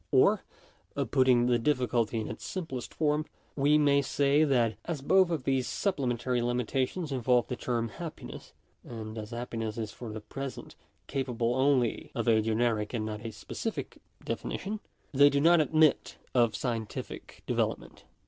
Or, putting the difficulty in its simplest form, we may say, that as both of these supplementary limitations involve the term happiness, and as happiness is for the present capable only of a generic and not of a specific definition (p. 5), they do not admit of scientific development.